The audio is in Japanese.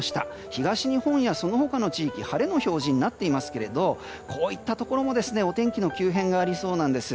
東日本やその他の地域晴れの表示になっていますがこういったところも、お天気の急変がありそうなんです。